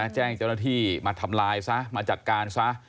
แจ้งเจ้าหน้าที่มาทำลายซะมาจัดการซะ